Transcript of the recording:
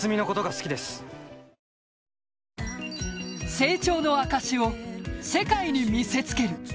成長の証しを世界に見せつける。